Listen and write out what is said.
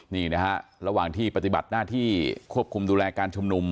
นี่นะฮะระหว่างที่ปฏิบัติหน้าที่ควบคุมดูแลการชุมนุม